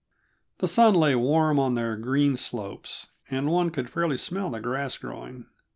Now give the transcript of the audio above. The sun lay warm on their green slopes, and one could fairly smell the grass growing.